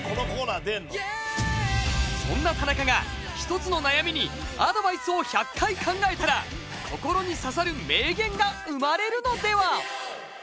そんな田中が１つの悩みにアドバイスを１００回考えたら心に刺さる名言が生まれるのでは？